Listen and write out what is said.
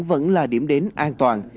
vẫn là điểm đến an toàn